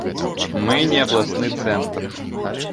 Мы не абласны цэнтр.